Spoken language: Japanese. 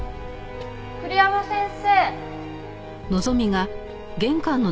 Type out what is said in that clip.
栗山先生。